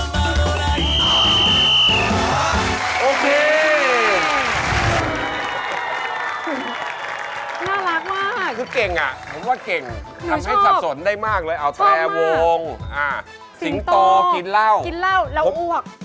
น่ารักมากคือเก่งอ่ะผมว่าเก่งทำให้สับสนได้มากเลยเอาแต่วงสิงโตกินเหล้ากินเหล้าแล้วอ้วก